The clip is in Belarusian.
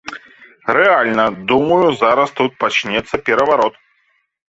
Рэальна, думаю, зараз тут пачнецца пераварот!